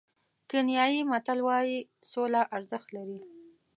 کینیايي متل وایي سوله ارزښت لري.